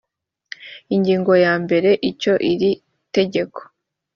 ingingo ya mbere icyo iri tegeko